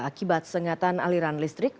akibat sengatan aliran listrik